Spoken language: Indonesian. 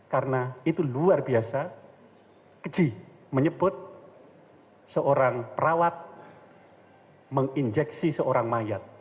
karena itu luar biasa keji menyebut seorang perawat menginjeksi seorang mayat